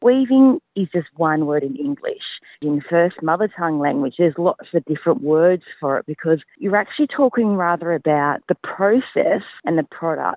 ada banyak kata kata yang berbeda karena kita sebenarnya berbicara tentang proses dan produk